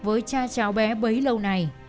với cha cháu bé bấy lâu này